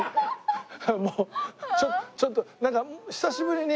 もうちょっとなんか久しぶりに。